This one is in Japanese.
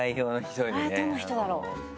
えぇどの人だろう？